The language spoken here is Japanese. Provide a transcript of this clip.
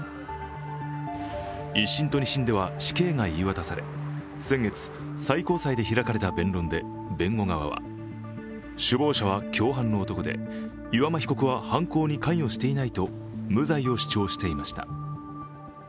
１審と２審では死刑が言い渡され、先月、最高裁で開かれた弁論で弁護側は、首謀者は共犯の男で岩間被告は犯行に関与していないと無罪を主張していました。